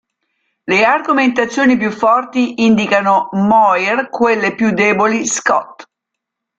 Le argomentazioni più forti indicano Moir, quelle più deboli Scott.